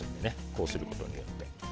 こうすることによって。